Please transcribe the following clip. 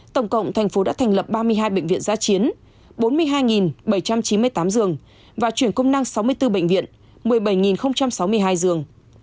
tổng cộng thành phố đã thành lập ba mươi hai bệnh viện giá chiến bốn mươi hai bảy trăm chín mươi tám giường và chuyển công năng sáu mươi bốn bệnh viện một mươi bảy sáu mươi hai giường